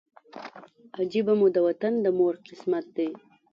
عجیبه مو د وطن د مور قسمت دی